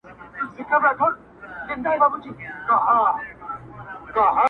په زړه سخت ظالمه یاره سلامي ولاړه ومه٫